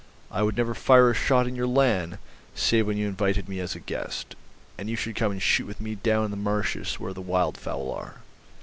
. I would never fire a shot on your land, save when you invited me as a guest; and you should come and shoot with me down in the marshes where the wildfowl are.